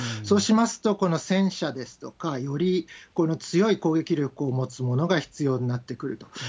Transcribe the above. そうしますと、戦車ですとかより強い攻撃力を持つものが必要になってくると。